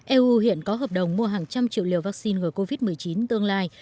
eu hiện có hợp đồng mua hàng trăm triệu liều vaccine ngừa covid một mươi chín tương lai